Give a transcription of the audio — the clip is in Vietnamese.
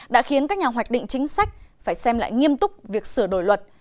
đã khiến các nhà hoạch định chính sách phải xem lại nghiêm túc việc sửa đổi luật